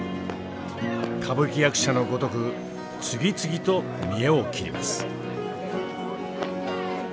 歌舞伎役者のごとく次々と見得を切ります。